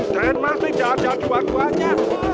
denmas tidak ada dua duanya